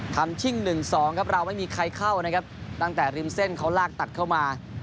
ชิ่ง๑๒ครับเราไม่มีใครเข้านะครับตั้งแต่ริมเส้นเขาลากตัดเข้ามา